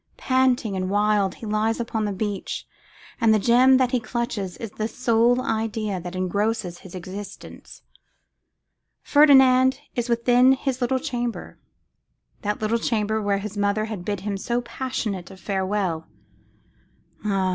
Panting and wild he lies upon the beach, and the gem that he clutches is the sole idea that engrosses his existence. Ferdinand is within his little chamber, that little chamber where his mother had bid him so passionate a farewell. Ah!